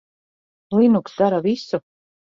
Linux dara visu.